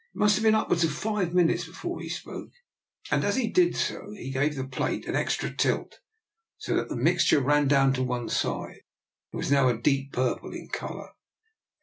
It must have been upwards of five minutes before he spoke. As he did so he gave the plate an extra tilt, so that the mixture ran down to one side. It was now a deep purple in colour.